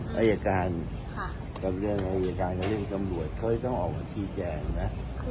รายการค่ะเรื่องรายการกับเรื่องกำลัวเคยต้องออกทีแจงนะ